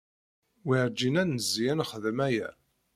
Werǧin ad nezzi ad nexdem aya.